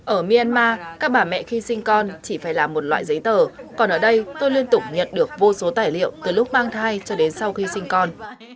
ở myanmar các bà mẹ khi sinh con chỉ phải làm một loại giấy tờ còn ở đây tôi liên tục nhận được vô số tài liệu từ lúc mang thai cho đến sau khi sinh con